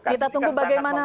kita tunggu bagaimana